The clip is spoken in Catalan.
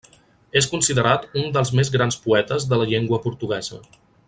És considerat un dels més grans poetes de la llengua portuguesa.